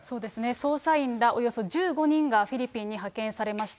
捜査員らおよそ１５人がフィリピンに派遣されました。